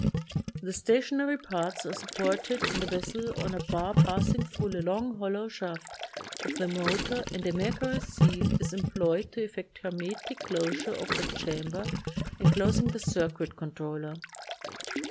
The stationary parts are supported in the vessel on a bar passing thru the long hollow shaft of the motor and a mercury seal is employed to effect hermetic closure of the chamber enclosing the circuit con troller.